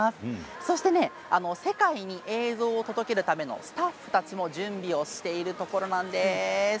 そして世界に映像を届けるためのスタッフたちも準備をしているところなんです。